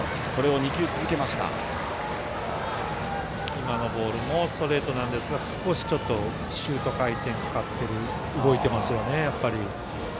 今のボールもストレートなんですが少し、ちょっとシュート回転かかって動いていますよね。